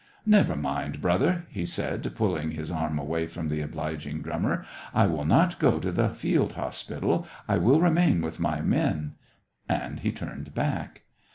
" Never mind, brother," he said, pulling his arm away from the obliging drummer. " I will not go to the field hospital ; I will remain with my men." And he turned back.